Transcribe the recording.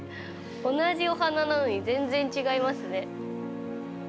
同じお花なのに全然違いますね。